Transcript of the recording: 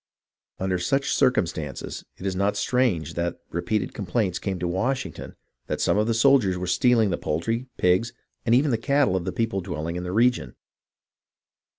Under such circumstances it is not strange that repeated complaints came to Washington that some of the soldiers were stealing the poultry, pigs, and even the cattle of the people dwelling in the region.